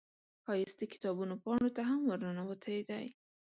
ښایست د کتابونو پاڼو ته هم ورننوتی دی